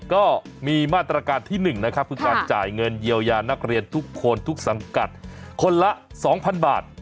ก็มีมาตรการที่๑นะครับคือการจ่ายเงินเยียวยานักเรียนทุกคนทุกสังกัดคนละ๒๐๐๐บาท